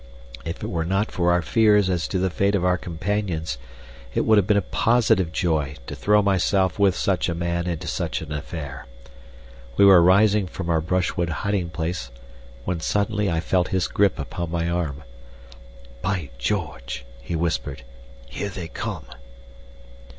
If it were not for our fears as to the fate of our companions, it would have been a positive joy to throw myself with such a man into such an affair. We were rising from our brushwood hiding place when suddenly I felt his grip upon my arm. "By George!" he whispered, "here they come!"